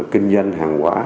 kinh doanh hàng quả